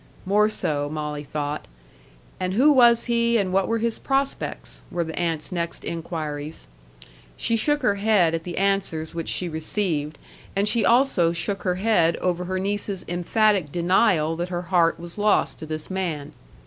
More so, Molly thought. And who was he, and what were his prospects? were the aunt's next inquiries. She shook her head at the answers which she received; and she also shook her head over her niece's emphatic denial that her heart was lost to this man.